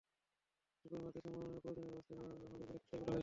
সরকার কওমি মাদ্রাসার মানোন্নয়নে প্রয়োজনীয় ব্যবস্থা নেওয়া হবে বলে খসড়ায় বলা হয়েছে।